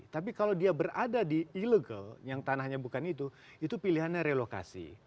tapi kalau dia berada di ilegal yang tanahnya bukan itu itu pilihannya relokasi